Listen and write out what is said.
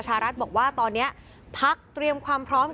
การสอบส่วนแล้วนะ